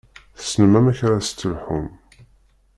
Tessnem amek ara s-telḥum.